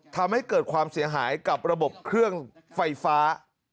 ทำให้เกิดความเสียหายกับระบบเครื่องไฟฟ้า